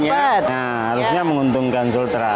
nah harusnya menguntungkan sultra